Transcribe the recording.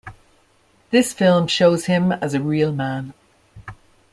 This film shows him as a real man.